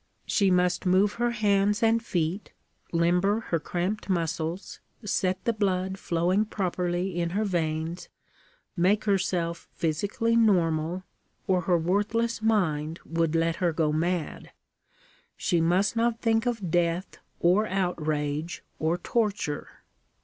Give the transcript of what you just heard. She must move her hands and feet, limber her cramped muscles, set the blood flowing properly in her veins, make herself physically normal, or her worthless mind would let her go mad. She must not think of death or outrage or torture.